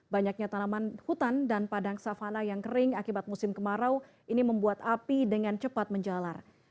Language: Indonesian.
banyaknya tanaman hutan dan padang savana yang kering akibat musim kemarau ini membuat api dengan cepat menjalar